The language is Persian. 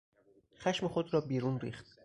خشم خود را بیرون ریخت.